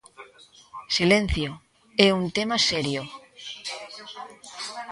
Silencio, é un tema serio.